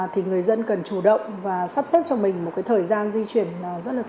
thì người dân cần chủ động và sắp xếp cho mình một thời gian di chuyển